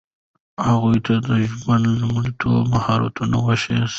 هغوی ته د ژوند لومړني مهارتونه وښایئ.